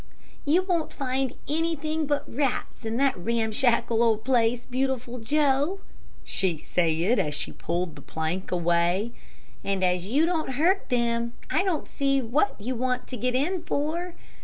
"You won't find anything but rats in that ramshackle old place, Beautiful Joe," she said, as she pulled the plank away; "and as you don't hurt them, I don't see what you want to get in for.